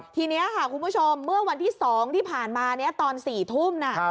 ทีนี้ค่ะคุณผู้ชมเมื่อวันที่๒ที่ผ่านมาตอน๔ทุ่ม